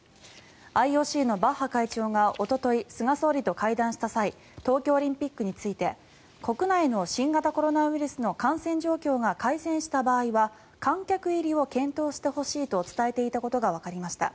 ＩＯＣのバッハ会長がおととい菅総理と会談した際東京オリンピックについて国内の新型コロナウイルスの感染状況が改善した場合は観客入りを検討してほしいと伝えていたことがわかりました。